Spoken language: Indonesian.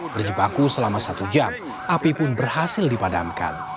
berjibaku selama satu jam api pun berhasil dipadamkan